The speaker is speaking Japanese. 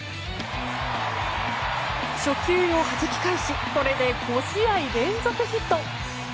初球をはじき返しこれで５試合連続ヒット。